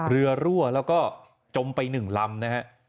เรือรั่วแล้วก็จมไปหนึ่งลำนะครับ